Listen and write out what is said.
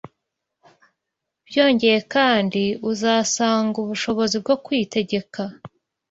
Byongeye kandi, uzasanga ubushobozi bwo kwitegeka